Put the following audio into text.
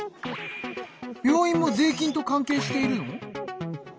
病院も税金と関係しているの？